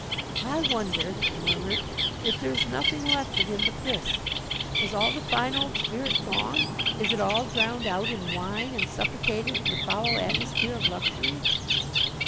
"I wonder," I murmured, "if there is nothing left of him but this? Has all the fine old spirit gone? Is it all drowned out in wine and suffocated in the foul atmosphere of luxury?"